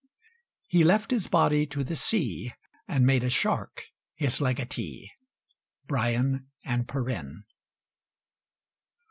"He left his body to the sea, And made a shark his legatee." BRYAN AND PERENNE.